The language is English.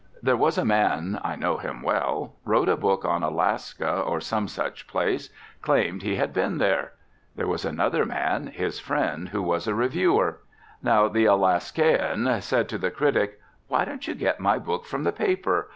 There was a man (I know him well) wrote a book on Alaska or some such place, claimed he had been there. There was another man, his friend, who was a reviewer. Now the Alaskaian said to the critic: "Why don't you get my book from the paper?